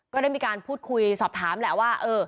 ก็ได้มีการพูดคุยสอบถามแหละว่า